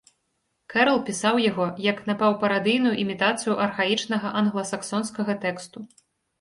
Кэрал пісаў яго як напаўпарадыйную імітацыю архаічнага англа-саксонскага тэксту.